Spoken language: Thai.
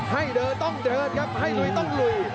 ให้เดินต้องเดินครับให้ลุยต้องลุย